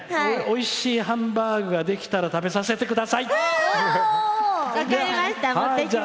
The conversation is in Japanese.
おいしいハンバーグができたら食べさせてください！